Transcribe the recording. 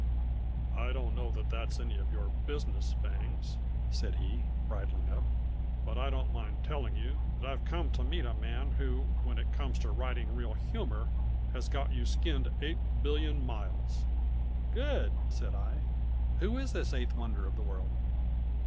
"I don't know that that's any of your business, Bangs," said he, bridling up; "but I don't mind telling you that I've come to meet a man who when it comes to writing real humor has got you skinned eight billion miles." "Good!" said I. "Who is this eighth wonder of the world?"